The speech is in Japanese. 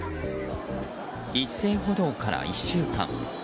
一斉補導から１週間。